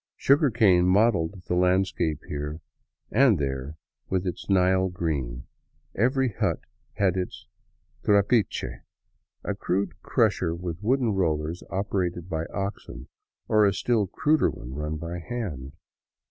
Sugarcane mottled the land scape here and there with its Nile green. Every hut had its trapiche, a crude crusher with wooden rollers operated by oxen, or a still cruder one run by hand.